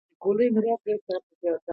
د وینې سپین کرویات څه کوي؟